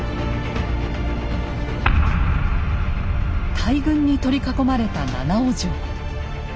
大軍に取り囲まれた七尾城。